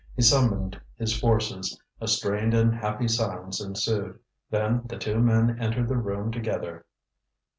He summoned his forces. A strained unhappy silence ensued. Then the two men entered the room together.